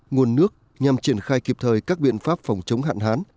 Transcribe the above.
nguồn nước nhằm triển khai kịp thời các biện pháp phòng chống hạn hán